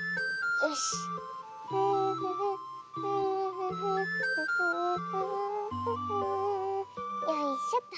よいしょと。